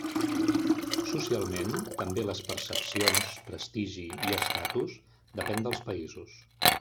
Socialment, també les percepcions, prestigi i estatus depèn dels països.